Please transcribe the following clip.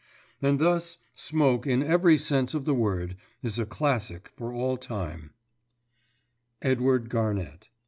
And thus Smoke in every sense of the word is a classic for all time. EDWARD GARNETT.